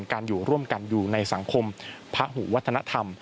การอยู่ร่วมกันอยู่ในสังคมพระหูวัฒนธรรม